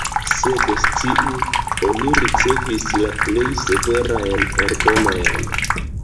Sed sciu, oni ricevis la plej severajn ordonojn.